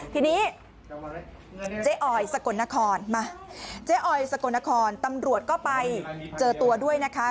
ทีนี้เจ๊ออยสกลนครมาเจ๊ออยสกลนครตำรวจก็ไปเจอตัวด้วยนะคะ